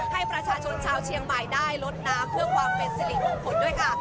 ให้ประชาชนชาวเชียงใหม่ได้ลดน้ำเพื่อความเป็นสิริมงคลด้วยค่ะ